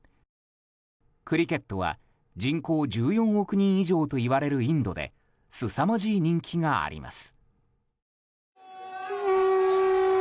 クリケットは人口１４億人以上といわれるインドですさまじい人気があります。